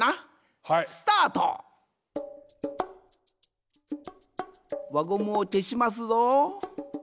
スタート！わゴムをけしますぞ。